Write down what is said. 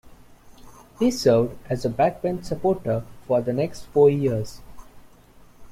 He served as a backbench supporter for the next four years.